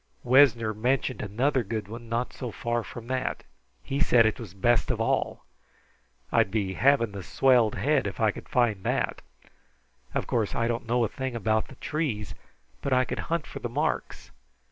Wessner mentioned another good one not so far from that. He said it was best of all. I'd be having the swelled head if I could find that. Of course, I don't know a thing about the trees, but I could hunt for the marks.